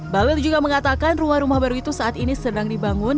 bahlil juga mengatakan rumah rumah baru itu saat ini sedang dibangun